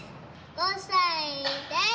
５さいです。